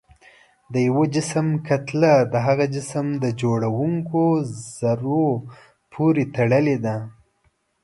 د یو جسم کتله د هغه جسم د جوړوونکو ذرو پورې تړلې ده.